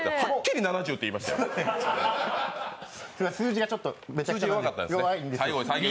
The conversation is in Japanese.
数字がちょっと、めちゃくちゃ弱いんで。